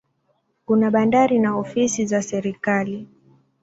Kuna bandari na ofisi za serikali.